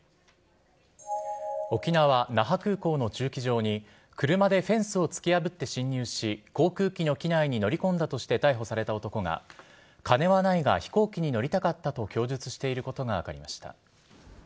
沖縄・那覇空港の駐機場に、車でフェンスを突き破って侵入し、航空機の機内に乗り込んだとして逮捕された男が、金はないが飛行機に乗りたかったと供述していることが分かりました。